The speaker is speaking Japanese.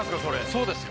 そうですよ。